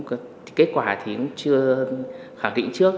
kết quả thì cũng chưa khẳng định trước